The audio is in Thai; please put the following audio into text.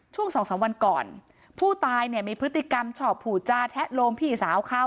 ช่วงสองสามวันก่อนผู้ตายเนี่ยมีพฤติกรรมชอบผูจาแทะโลมพี่สาวเขา